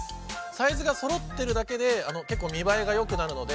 サイズがそろってるだけで結構見栄えがよくなるので。